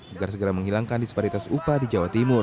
agar segera menghilangkan disparitas upah di jawa timur